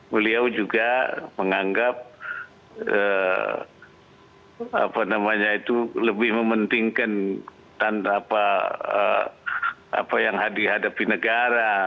beliau juga menganggap lebih mementingkan tanpa yang dihadapi negara